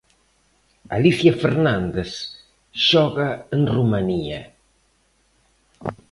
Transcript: Alicia Fernández xoga en Romanía.